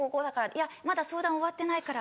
「いやまだ相談終わってないから」